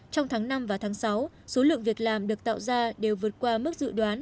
trong tháng năm và tháng sáu số lượng việc làm được tạo ra đều vượt qua mức dự đoán